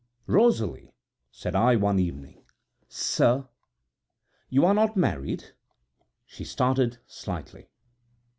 "Rosalie," said I, one evening. "Sir?" "You are not married?" She started slightly.